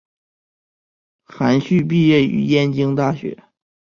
韩叙毕业于燕京大学。